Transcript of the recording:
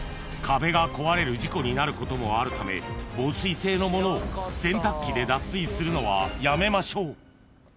［壁が壊れる事故になることもあるため防水性のものを洗濯機で脱水するのはやめましょう］